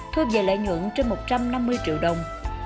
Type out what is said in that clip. thu về lợi nhuận trên một trăm năm mươi triệu đồng